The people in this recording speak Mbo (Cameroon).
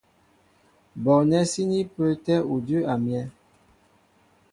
Bɔɔnɛ́ síní pə́ə́tɛ́ udʉ́ a myɛ́.